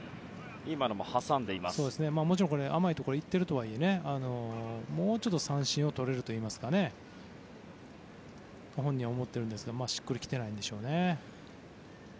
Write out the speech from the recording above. もちろん、甘いところにいっているとはいえもうちょっと三振をとれるとご本人は思っているんでしょうがしっくり来てないんでしょうね。